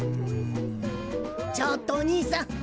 ちょっとおにいさん！